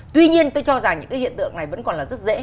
tuy nhiên tôi cho rằng những cái hiện tượng này vẫn còn là rất dễ